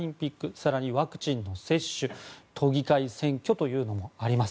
更にワクチンの接種都議会選挙というのもあります。